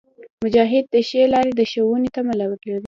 مجاهد د ښې لارې د ښوونې تمه لري.